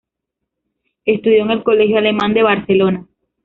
Estudió en el Colegio Alemán de Barcelona.